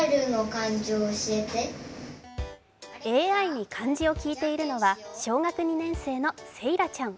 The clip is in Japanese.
ＡＩに漢字を聞いているのは小学２年生のせいらちゃん。